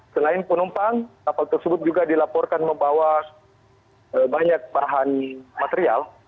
selain penumpang kapal tersebut juga dilaporkan membawa banyak bahan material